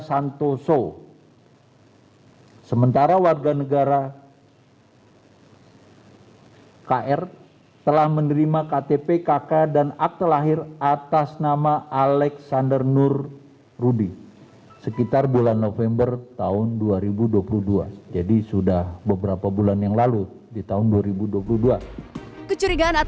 jangan lupa untuk menikmati link di kolom komentar